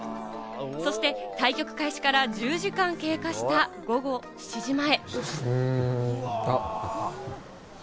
そして対局開始から１０時間経過した午後７時前。